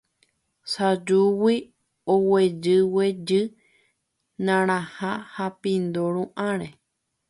sajuguy oguejyguejy narãha ha pindo ru'ãre